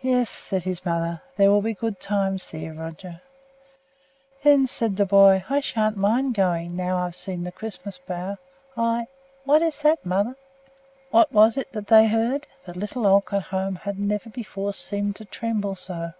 "Yes," said his mother; "there will be good times there, Roger." "Then," said the boy, "I sha'n't mind going, now that I've seen the Christmas bough. I What is that, mother?" What was it that they heard? The little Olcott home had never before seemed to tremble so.